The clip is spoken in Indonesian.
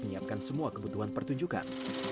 menyiapkan semua kebutuhan pertunjukan